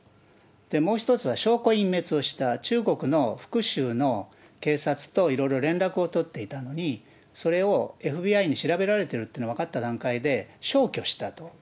もう一つは、証拠隠滅をした、中国の福州の警察といろいろ連絡を取っていたのに、それをＦＢＩに調べられてるっていうのが分かった段階で、消去したと。